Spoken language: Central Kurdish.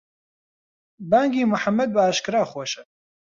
بانگی موحەمەد بە ئاشکرا خۆشە